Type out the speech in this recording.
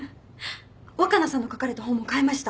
若菜さんの書かれた本も買いました。